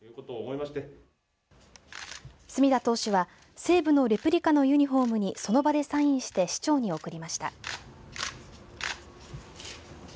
隅田投手は西武のレプリカのユニフォームにその場でサインして市長に贈りました。